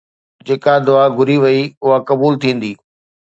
جيڪا دعا گهري وئي اها قبول ٿيندي.